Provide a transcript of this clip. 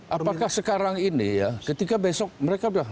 apakah sekarang ini ya ketika besok mereka sudah